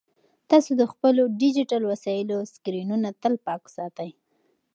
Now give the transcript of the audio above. تاسو د خپلو ډیجیټل وسایلو سکرینونه تل پاک ساتئ.